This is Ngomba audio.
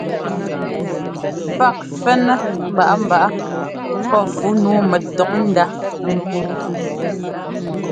Fák fɛ́nɛ́ mbaꞌámbaꞌá pɔ́ fú nǔu nɛtɔ́kndá ŋ́kúu.